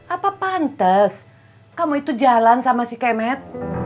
apa pantes kamu itu jalan sama si kemet